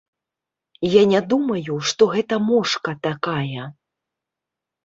Я не думаю, што гэта мошка такая.